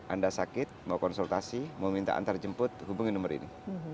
anda sakit mau konsultasi mau minta antarjemput hubungi nomor ini